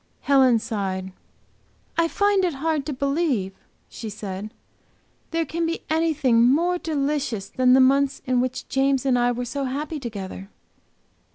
Helen sighed. "I find it hard to believe," she said, "there can be anything more delicious than the months in which James and I were so happy together."